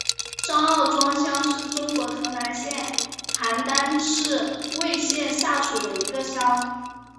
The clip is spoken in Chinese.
张二庄乡是中国河北省邯郸市魏县下辖的一个乡。